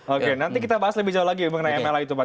oke nanti kita bahas lebih jauh lagi mengenai mla itu pak